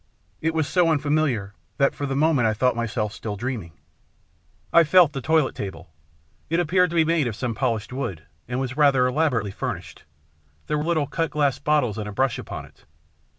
It was so unfamiliar that for the moment I thought myself still dreaming. I felt the toilet table ; it appeared to be made of some polished wood, and was rather elaborately furnished there were little cut glass bottles and a brush upon it.